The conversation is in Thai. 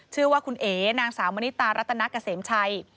ชื่อว่าคุณเอ๋นางสาวมณิตารัตนาเกษมชัย